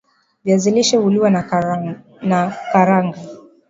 viazi lishe huliwa na nakaranga